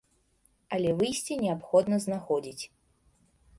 Але выйсце неабходна знаходзіць.